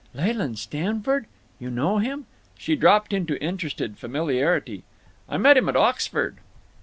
"Leland Stanford? You know him?" She dropped into interested familiarity. "I met him at Oxford."